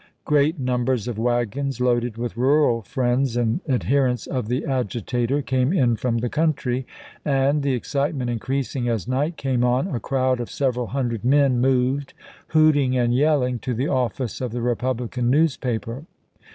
Great numbers of wagons loaded with rural friends and adherents of the agitator came in from the country; and, the excitement increasing as night came on, a crowd of several hundred men moved, hooting and yelling, to the office of the Republican news paper.